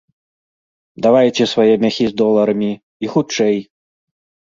Давайце свае мяхі з доларамі, і хутчэй!